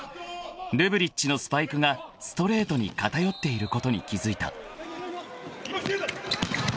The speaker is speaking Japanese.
［ルブリッチのスパイクがストレートに偏っていることに気付いた］